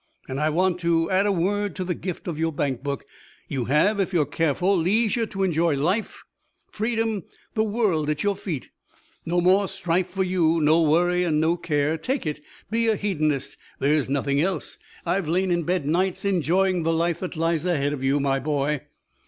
And I want to add a word to the gift of your bank book. You have, if you're careful, leisure to enjoy life, freedom, the world at your feet. No more strife for you, no worry, and no care. Take it. Be a hedonist. There is nothing else. I've lain in bed nights enjoying the life that lies ahead of you, my boy.